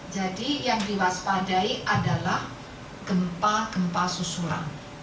jadi yang diwaspadai adalah gempa gempa susulan